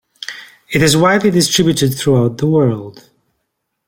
It is widely distributed throughout the world.